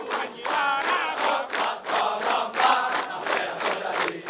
ini langkah mil